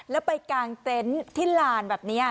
แล้วไปกางเต็นต์ที่ลานแบบนี้